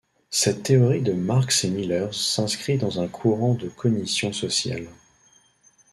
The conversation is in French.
Cette théorie de Marks et Miller s'inscrit dans un courant de cognition sociale.